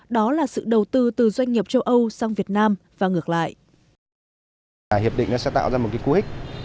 đó là sự đầu tư từ doanh nghiệp châu âu sang việt nam và ngược lại